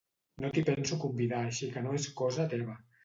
No t'hi penso convidar així que no és cosa teva.